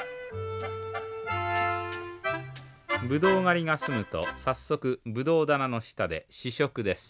ブドウ狩りが済むと早速ブドウ棚の下で試食です。